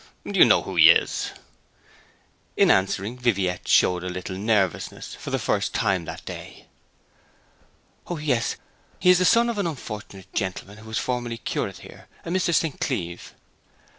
Do you know who he is?' In answering Viviette showed a little nervousness, for the first time that day. 'O yes. He is the son of an unfortunate gentleman who was formerly curate here, a Mr. St. Cleeve.'